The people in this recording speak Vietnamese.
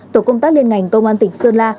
tổ công tác liên ngành công an tỉnh sơn la